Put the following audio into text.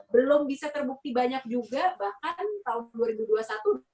belum bisa terbukti banyak juga bahkan tahun dua ribu dua puluh satu dia udah gak di repsol honda lagi